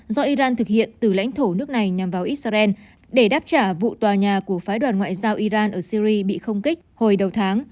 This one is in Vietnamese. do iran thực hiện từ lãnh thổ nước này nhằm vào israel để đáp trả vụ tòa nhà của phái đoàn ngoại giao iran ở syri bị không kích hồi đầu tháng